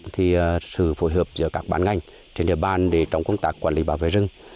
thì sự phối hợp giữa các bán ngành trên địa bàn để trong công tác quản lý bảo vệ rừng